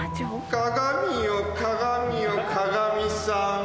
鏡よ鏡よ鏡さん。